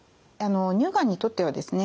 乳がんにとってはですね